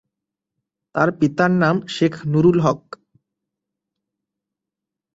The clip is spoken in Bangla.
তার পিতার নাম শেখ নুরুল হক।